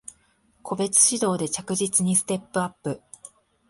個別指導で着実にステップアップ